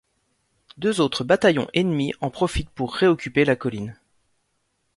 Deux autres bataillons ennemis en profitent pour réoccuper la colline.